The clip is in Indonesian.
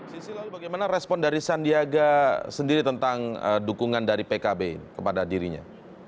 sisi lalu bagaimana respon dari sandiaga sendiri tentang dukungan dari pkb kepada dirinya